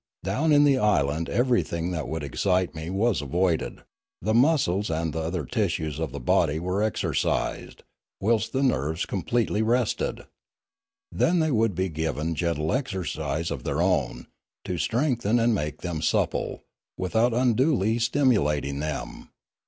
Down in the island everything that would excite me was avoided; the muscles and the other tissues of the body were exercised, whilst the nerves completely rested. Then they would be given gentle exercise of their own, to strengthen and make them supple, without unduly stimulating them.